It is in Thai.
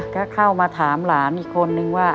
ก็เข้ามาถามหลานอีกคนนึงว่า